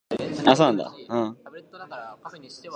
The perspective of this illusion is centered towards one focal point.